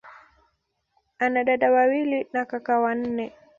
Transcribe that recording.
Ana dada wawili na kaka wanne.